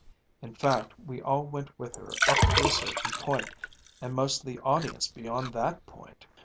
In fact, we all went with her up to a certain point, and most of the audience beyond that point.